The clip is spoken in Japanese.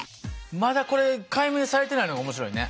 まだこれ解明されてないのが面白いね。